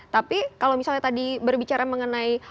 tapi kalau misalnya tadi berbicara mengenai